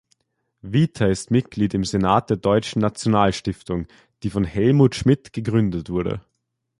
Vita ist Mitglied im Senat der Deutschen Nationalstiftung, die von Helmut Schmidt gegründet wurde.